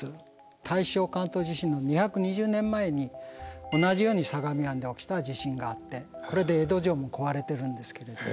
大正関東地震の２２０年前に同じように相模湾で起きた地震があってこれで江戸城も壊れてるんですけれども。